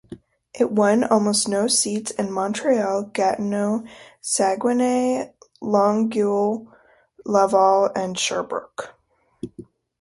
It won almost no seats in Montreal, Gatineau, Saguenay, Longueuil, Laval and Sherbrooke.